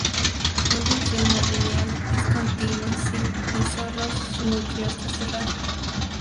Un funcional lineal es continua si y sólo si su núcleo está cerrado.